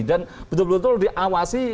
dan betul betul diawasi